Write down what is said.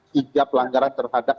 tiga pelanggaran terhadap